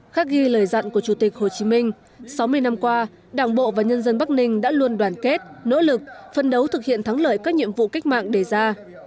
khác ghi lời dặn của chủ tịch hồ chí minh sáu mươi năm qua đảng bộ và nhân dân bắc ninh đã luôn đoàn kết nỗ lực phân đấu thực hiện thắng lợi các nhiệm vụ cách mạng đề ra